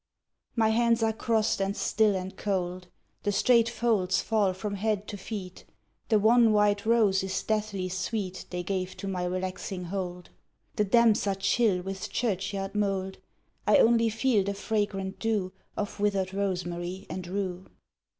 My hands are crossed and still and cold ; The straight folds fall from head to feet ;— The wan white rose is deathly SAveet They gave to my relaxing hold. The damps are chill with churchyard mould: I only feel the fragrant dew Of withered rosemary and rue.